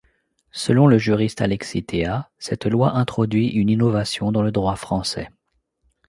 Selon le juriste Alexis Théas, cette loi introduit une innovation dans le droit français.